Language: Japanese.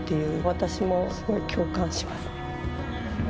私もすごい共感しますね。